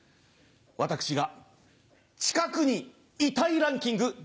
私が近くにいたいランキング